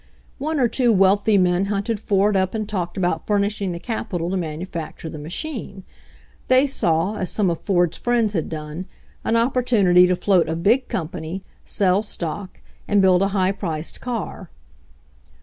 One or two wealthy men hunted Ford up and talked about furnishing the capital to manufac ture the machine. They saw, as some of Ford's friends had done, an opportunity to float a big, company, sell stock, and build a high priced car.